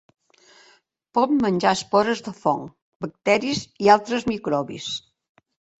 Pot menjar espores de fongs, bacteris i altres microbis.